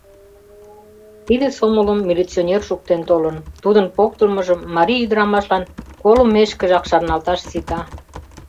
Тиде сомылым милиционер шуктен толын, тудын поктылмыжым марий ӱдырамашлан колымешкыжак шарналташ сита.